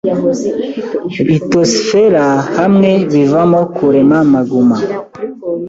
litosifera hamwe bivamo kurema magma